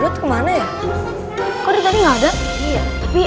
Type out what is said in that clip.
waalaikumsalam warahmatullahi wabarakatuh